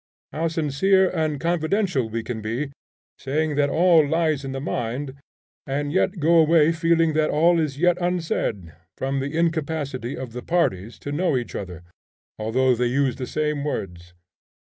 How sincere and confidential we can be, saying all that lies in the mind, and yet go away feeling that all is yet unsaid, from the incapacity of the parties to know each other, although they use the same words!